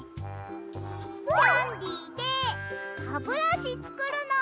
キャンデーでハブラシつくるの！